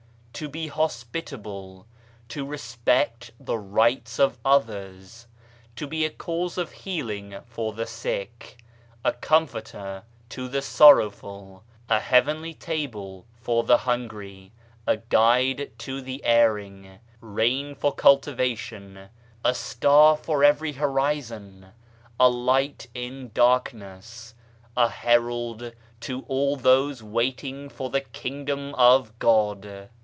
"To be hospitable. "To respect the rights of others. " To be a cause of healing for the sick ; a comforter to the sorrowful ; a heavenly table for the hungry ; a guide to the erring ; rain for cultivation ; a star for every horizon ; a light in darkness ; a 106 BAHAISM herald to all those waiting for the Kingdom of God."